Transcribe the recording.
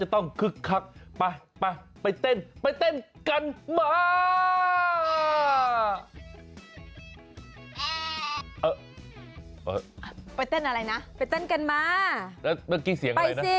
เฮ้ย